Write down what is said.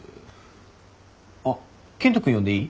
あっ健人君呼んでいい？